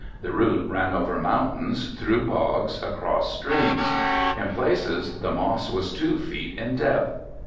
The route ran over mountains, through bogs, across streams. In places the moss was two feet in depth.